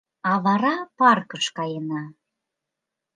А вара паркыш каена.